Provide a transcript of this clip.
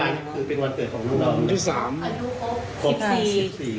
อายุครบ๑๔ปีเต็มครับครับ